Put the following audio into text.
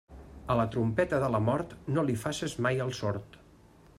A la trompeta de la mort, no li faces mai el sord.